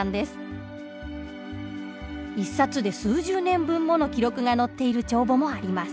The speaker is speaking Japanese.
１冊で数十年分もの記録が載っている帳簿もあります。